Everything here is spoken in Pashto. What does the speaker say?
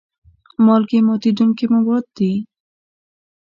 مالګې ماتیدونکي مواد دي.